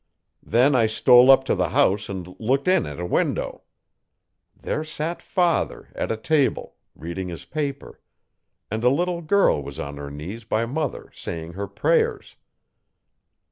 'Then I stole up to the house and looked in at a window. There sat father, at a table, reading his paper; and a little girl was on her knees by mother saying her prayers.